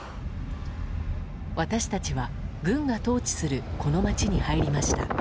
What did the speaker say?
私たちは軍が統治するこの街に入りました。